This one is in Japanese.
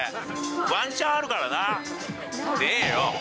ワンチャンあるからな。